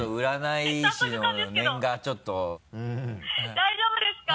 大丈夫ですか？